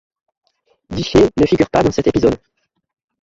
Disher ne figure pas dans cet épisode.